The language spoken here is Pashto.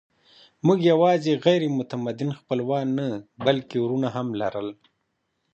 موږ یواځې غیر متمدن خپلوان نه، بلکې وروڼه هم لرل.